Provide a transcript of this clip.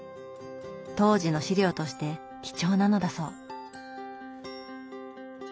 当時の資料として貴重なのだそう。